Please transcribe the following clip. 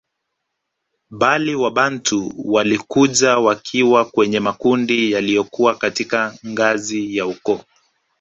Bali Wabantu walikuja wakiwa kwenye makundi yaliyokuwa katika ngazi ya Ukoo